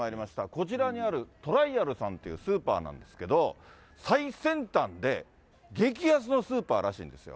こちらにあるトライアルさんというスーパーなんですけど、最先端で激安のスーパーらしいんですよ。